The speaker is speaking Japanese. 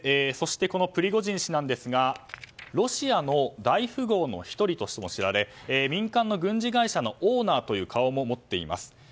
プリゴジン氏ですがロシアの大富豪の１人としても知られ民間の軍事会社のオーナーの顔も持っています。